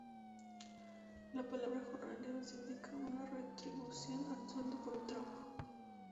La palabra "jornaleros" indica una retribución a sueldo por un trabajo.